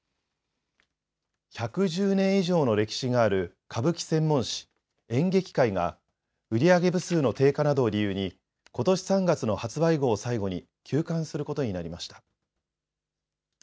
１１０年以上の歴史がある歌舞伎専門誌、演劇界が、売り上げ部数の低下などを理由に、ことし３月の発売号を最後に休刊することになりました。